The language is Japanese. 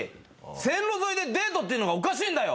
線路沿いでデートっていうのがおかしいんだよ！